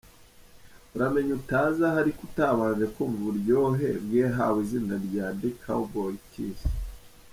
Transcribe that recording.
Uramenye utazaha ariko utabanje kumva uburyohe bw’iyahawe izina rya ‘The Cowboy Kiss’.